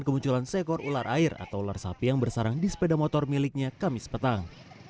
kemunculan seekor ular air atau ular sapi yang bersarang di sepeda motor miliknya kamis petang